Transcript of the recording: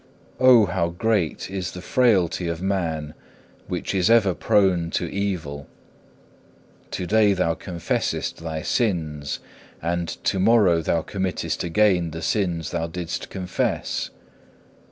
6. O how great is the frailty of man, which is ever prone to evil! To day thou confessest thy sins, and to morrow thou committest again the sins thou didst confess.